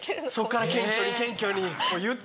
そこから謙虚に謙虚に。